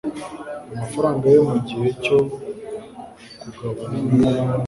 amafaranga yo mu gihe cyo kugabana inyungu